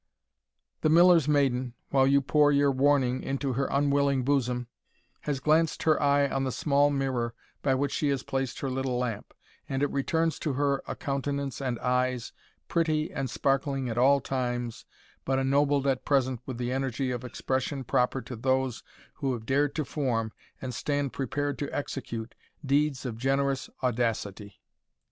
The Miller's maiden, while you pour your warning into her unwilling bosom, has glanced her eye on the small mirror by which she has placed her little lamp, and it returns to her a countenance and eyes, pretty and sparkling at all times, but ennobled at present with the energy of expression proper to those who have dared to form, and stand prepared to execute, deeds of generous audacity.